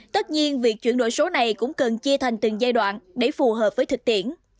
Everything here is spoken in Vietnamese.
tất nhiên việc chuyển đổi số này cũng cần chia thành từng giai đoạn để phù hợp với thực tiễn